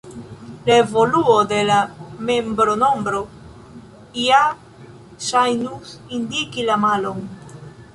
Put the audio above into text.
La evoluo de la membronombro ja ŝajnus indiki la malon.